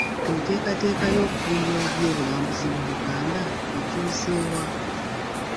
Enteekateeka y'okutumbula eby'obulambuzi mu Buganda etuuse wa?